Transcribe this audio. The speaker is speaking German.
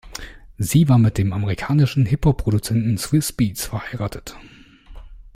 Sie war mit dem amerikanischen Hip-Hop-Produzenten Swizz Beatz verheiratet.